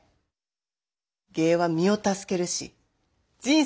芸は身を助けるし人生楽しなる。